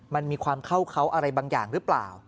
มันมีความเข้าเขาอะไรบางอย่างหรือเปล่า